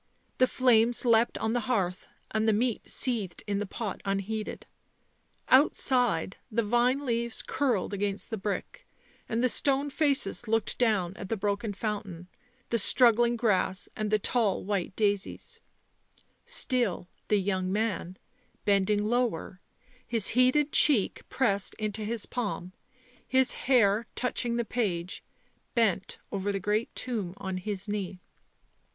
The flames leapt on the hearth and the meat seethed in the pot unheeded. Outside the vine leaves curled against the brick, and the stone faces looked down at the broken fountain, the struggling grass and the tall white daisies; still the young man, bending lower, his heated cheek pressed into his palm, his hair touching the page, bent over the great tome on his knee.